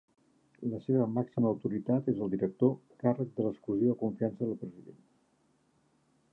La seva màxima autoritat és el Director, càrrec de l'exclusiva confiança del president.